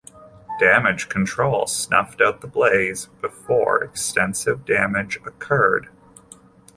Damage control snuffed out the blaze before extensive damage occurred.